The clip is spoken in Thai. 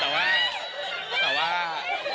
แต่ว่า